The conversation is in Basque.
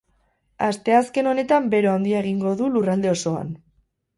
Asteazken honetan bero handia egingo du lurralde osoan.